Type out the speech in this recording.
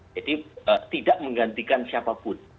jadi tidak menggantikan siapapun